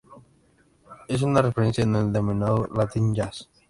Es una referencia en el denominado "latin jazz".